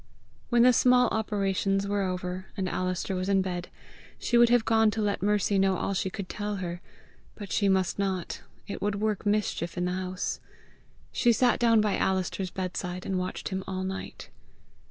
When the small operations were over, and Alister was in bed, she would have gone to let Mercy know all she could tell her. But she must not: it would work mischief in the house! She sat down by Alister's bedside, and watched him all night.